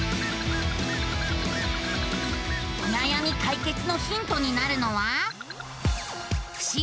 おなやみ解決のヒントになるのは。